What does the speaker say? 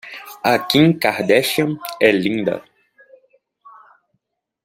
A Kim Kardashian é linda.